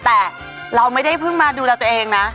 แต่เราไม่ได้เพิ่งมาดูแลตัวเองนะ